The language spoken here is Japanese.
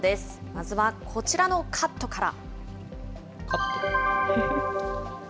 まずはこちらのカットから。